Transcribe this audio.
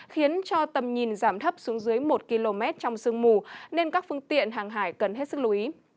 khiến cho tầm nhìn giảm thấp xuống dưới một km trong sương mù nên các phương tiện hàng hải cần hết sức lưu ý